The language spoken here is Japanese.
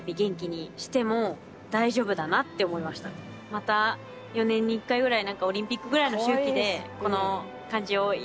また４年に１回ぐらい。